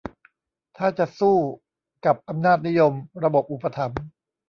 ถ้าจะสู้กับอำนาจนิยม-ระบบอุปถัมภ์